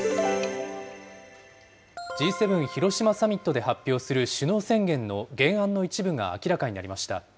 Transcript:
Ｇ７広島サミットで発表する首脳宣言の原案の一部が明らかになりました。